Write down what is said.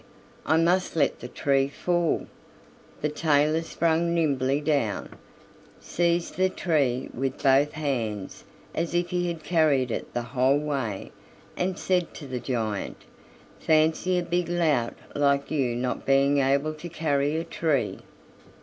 I must let the tree fall." The tailor sprang nimbly down, seized the tree with both hands as if he had carried it the whole way and said to the giant: "Fancy a big lout like you not being able to carry a tree!"